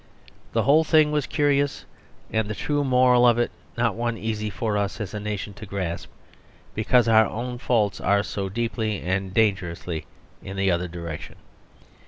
The whole thing was curious, and the true moral of it one not easy for us, as a nation, to grasp, because our own faults are so deeply and dangerously in the other direction.